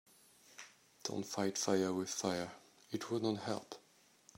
Don‘t fight fire with fire, it would not help.